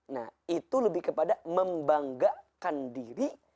nah itu lebih kepada membanggakan diri